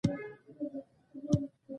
بادرنګ له کیمیاوي موادو پاک وي.